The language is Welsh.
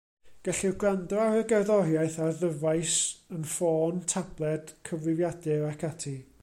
Gellir gwrando ar y gerddoriaeth ar ddyfais, yn ffôn, tabled, cyfrifiadur ac ati.